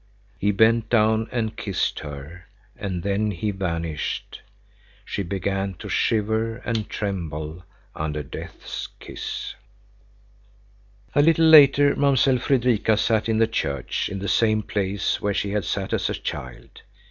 He bent down and kissed her, and then he vanished; she began to shiver and tremble under Death's kiss. A little later Mamsell Fredrika sat in the church, in the same place where she had sat as a child.